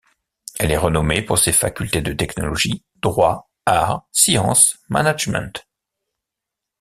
Elle est renommée pour ses facultés de technologie, droit, art, sciences, management.